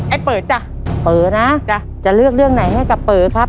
เปิดจ้ะเป๋อนะจ้ะจะเลือกเรื่องไหนให้กับเป๋อครับ